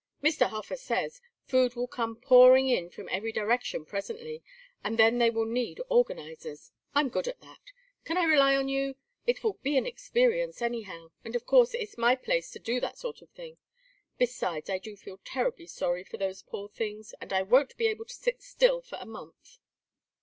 Mr. Hofer says food will come pouring in from every direction presently, and then they will need organizers. I'm good at that. Can I rely on you? It will be an experience, anyhow; and of course it's my place to do that sort of thing. Besides, I do feel terribly sorry for those poor things, and I won't be able to sit still for a month."